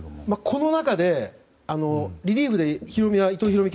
この中でリリーフで伊藤大海が